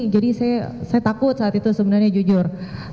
jadi saya takut saat itu sebenarnya jujur